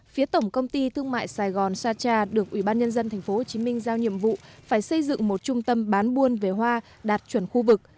phía tổng công ty thương mại sài gòn sacha được ủy ban nhân dân tp hcm giao nhiệm vụ phải xây dựng một trung tâm bán buôn về hoa đạt chuẩn khu vực